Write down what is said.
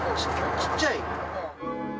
ちっちゃい？